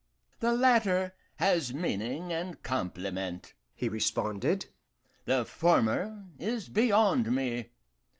"The latter has meaning and compliment," he responded, "the former is beyond me.